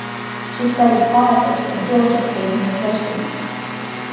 She studied politics at Georgia State University.